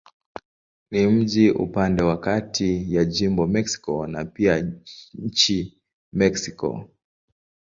Ni mji upande wa kati ya jimbo Mexico na pia nchi Mexiko.